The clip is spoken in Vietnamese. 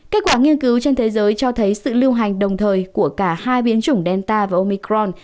kết quả nghiên cứu trên thế giới cho thấy sự lưu hành đồng thời của cả hai biến chủng delta và omicron